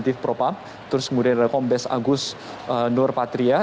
dief propam kemudian rekom bes agus nurpatria